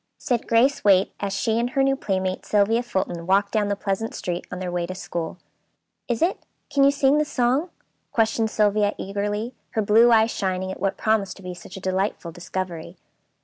said Grace Waite, as she and her new playmate, Sylvia Fulton, walked down the pleasant street on their way to school. "Is it? Can you sing the song?" questioned Sylvia eagerly, her blue eyes shining at what promised to be such a delightful discovery.